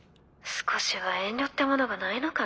少しは遠慮ってものがないのかね